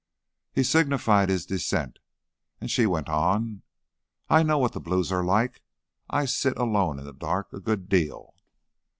He signified his dissent, and she went on: "I know what the blues are like. I sit alone in the dark a good deal."